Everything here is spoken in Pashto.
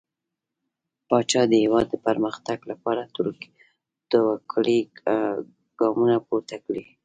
پاچا د هيواد د پرمختګ لپاره ټوکلي ګامونه پورته کړل .